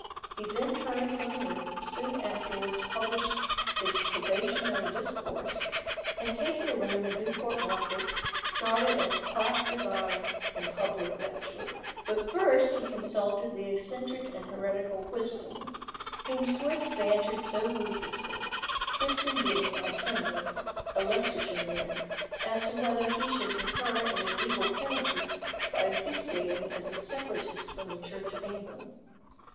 He then hurried from the room, soon afterwards published his probationary discourse, and taking a room in Newport Market, started as quack divine and public lecturer. But he first consulted the eccentric and heretical Whiston, whom Swift bantered so ruthlessly Whiston being, like Henley, a Leicestershire man as to whether he should incur any legal penalties by officiating as a separatist from the Church of England.